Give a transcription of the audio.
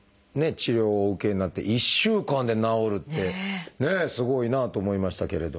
治療をお受けになって１週間で治るってねすごいなあと思いましたけれど。